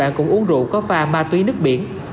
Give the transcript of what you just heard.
bệnh nhân đã uống rượu có pha ma túy nước biển